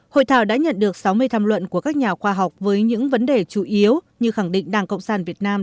hội thảo đã nhận được sáu mươi tham luận của các nhà khoa học với những vấn đề chủ yếu như khẳng định đảng cộng sản việt nam